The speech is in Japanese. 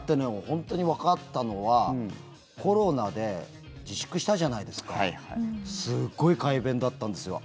本当にわかったのはコロナで自粛したじゃないですかすごい快便だったんですよ。